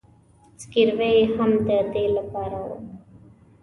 زګیروي یې هم د دې له پاره و.